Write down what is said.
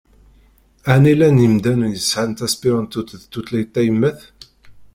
Ɛni llan yemdanen i yesɛan taspiṛanṭut d tutlayt tayemmat?